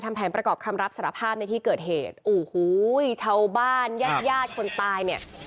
ทำแผนประกอบคำรับสารภาพในที่เกิดเหตุโอ้โหชาวบ้านญาติญาติคนตายเนี่ย